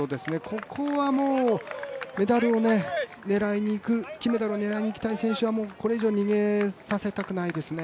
ここはもう、メダルを狙いにいく金メダルを狙いにいきたい選手はこれ以上逃げさせたくないですね。